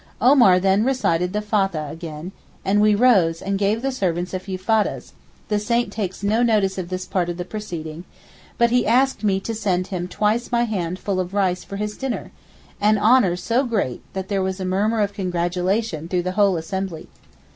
Omar then recited the Fathah again, and we rose and gave the servants a few foddahs—the saint takes no notice of this part of the proceeding—but he asked me to send him twice my hand full of rice for his dinner, an honour so great that there was a murmur of congratulation through the whole assembly.